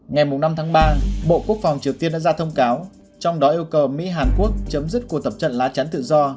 ngày năm tháng ba bộ quốc phòng triều tiên đã ra thông cáo trong đó yêu cầu mỹ hàn quốc chấm dứt cuộc tập trận lá chắn tự do